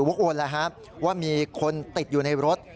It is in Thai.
โอนแล้วครับว่ามีคนติดอยู่ในรถ